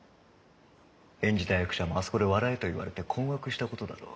演じた役者もあそこで笑えと言われて困惑した事だろう。